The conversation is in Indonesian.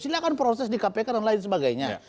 silahkan proses di kpk dan lain sebagainya